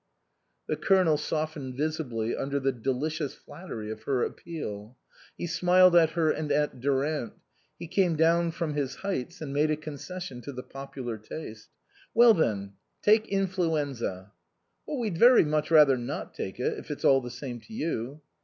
The Colonel softened visibly under the de licious flattery of her appeal ; he smiled at her and at Durant ; he came down from his heights and made a concession to the popular taste. " Well, then, take influenza "" We'd very much rather not take it, if it's all the same to you."